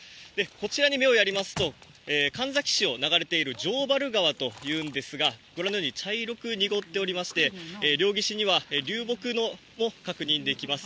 こちらに目をやりますと、神埼市を流れている城原川というんですが、ご覧のように茶色く濁っていまして、両岸には流木も確認できます。